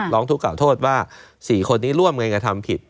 ร้องทุกข์กล่าวโทษว่าสี่คนนี้ร่วมกันกับทำผิด